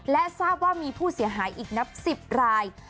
และทราบว่ามีผู้เสียหายอีกนับ๑๐ราย